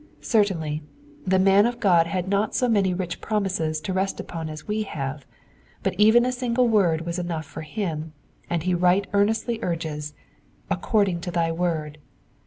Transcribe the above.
Certainly, the man of God had not so many rich Sromises to rest upon as we have, but even a single word was enough for im, and he right earnestly urges according to thy word."